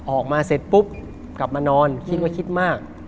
ออกมาเสร็จปุ๊บกลับมานอนคิดว่าคิดมาก